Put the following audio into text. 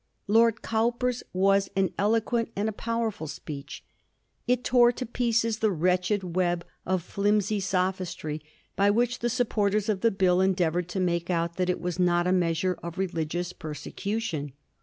Lord Cowper's was an eloquent and a powerful speech. It tore to pieces the wretched web of flimsy sophistry by which the supporters of the Bill endeavoured to make out that it was not a measure of religious persecution.